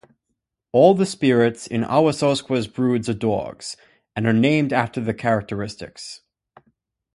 All the spirits in Awasosqua's broods are dogs, and are named after their characteristics.